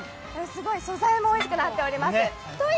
素材もおいしくなっております。